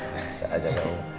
bisa aja dong